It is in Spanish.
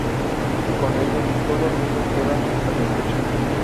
Con ello todo el mundo queda satisfecho.